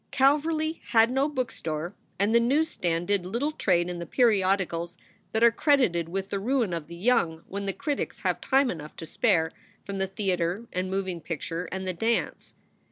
Calverly had no bookstore and the news stands did little trade in the periodicals that are credited with the ruin of the young when the critics have time enough to spare from the theater and moving picture and the dance.